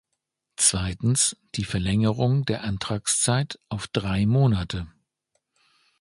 Zweitens, die Verlängerung der Antragszeit auf drei Monate.